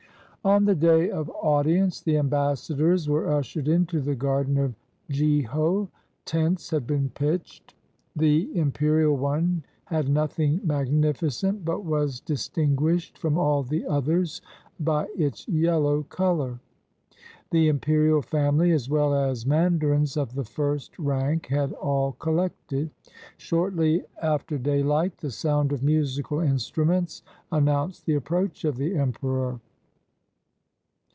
] On the day of audience the ambassadors were ushered into the garden of Jeho, Tents had been pitched; the 189 CHINA imperial one had nothing magnificent, but was distin guished from all the others by its yellow color. The imperial family, as well as mandarins of the first rank, had all collected. Shortly after daylight the sound of musical instruments announced the approach of the emperor.